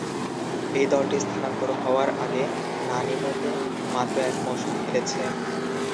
এই দলটি স্থানান্তর হওয়ার আগে নানইমোতে মাত্র এক মৌসুম খেলেছে।